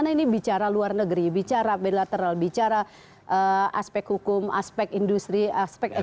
karena ini bicara luar negeri bicara bilateral bicara aspek hukum aspek industri aspek ekonomi